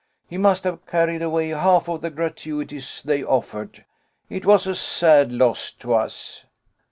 He must have carried away half of the gratuities they offered. It was a sad loss to us."